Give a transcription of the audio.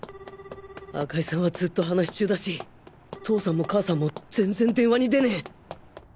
赤井さんはずっと話し中だし父さんも母さんも全然電話に出ねぇ！